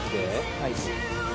はい。